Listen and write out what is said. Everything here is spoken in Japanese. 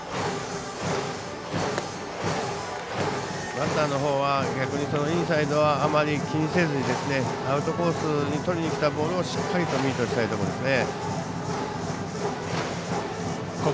バッターのほうはインサイドはあまり気にせずにアウトコースにとりにきたボールをしっかりとミートしたいところですね。